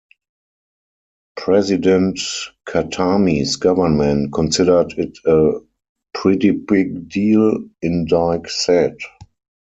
President Khatami's government "considered it a pretty big deal," Indyk said.